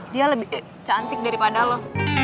dia lebih cantik daripada lo